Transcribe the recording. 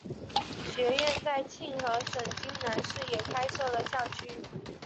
学院在庆和省金兰市也开设了校区。